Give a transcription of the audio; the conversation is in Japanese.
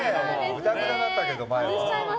ぐだぐだだったけど、前は。